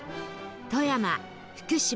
富山福島